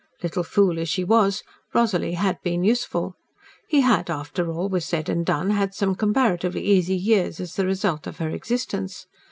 Little fool as she was, Rosalie had been useful. He had, after all was said and done, had some comparatively easy years as the result of her existence.